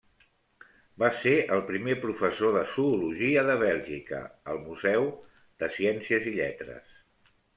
Va ser el primer professor de Zoologia de Bèlgica, al Museu de Ciències i Lletres.